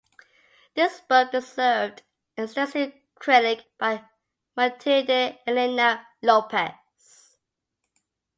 This book deserved an extensive critique by Matilde Elena Lopez.